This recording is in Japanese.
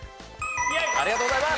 ありがとうございます！